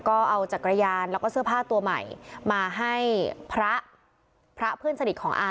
ก็เอาจักรยานแล้วก็เสื้อผ้าตัวใหม่มาให้พระพระเพื่อนสนิทของอา